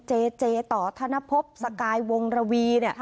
เจเจต่อธนภพสกายวงระวี